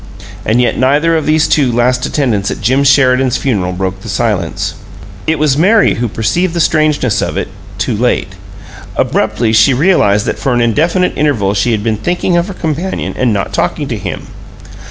And yet neither of these two last attendants at Jim Sheridan's funeral broke the silence. It was Mary who preceived the strangeness of it too late. Abruptly she realized that for an indefinite interval she had been thinking of her companion and not talking to him.